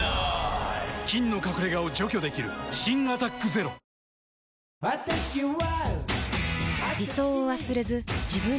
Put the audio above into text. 菌の隠れ家を除去できる新「アタック ＺＥＲＯ」ゆるみ対策の難しさ